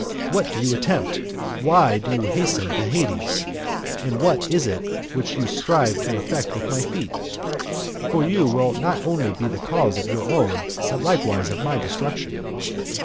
What do you attempt ? Why do you hasten to Hades ? And what is it which you strive to effect with my feet ? For you will not only be the cause of your own, but likewise of my destruc tion."